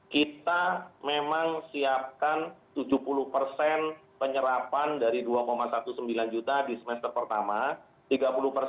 kita memang siapkan tujuh puluh penyerapan dari dua sembilan belas juta di semester pertama